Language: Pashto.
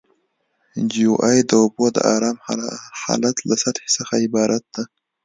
جیوئید د اوبو د ارام حالت له سطحې څخه عبارت ده